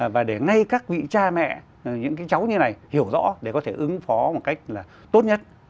và để ngay các vị cha mẹ những cái cháu như này hiểu rõ để có thể ứng phó một cách là tốt nhất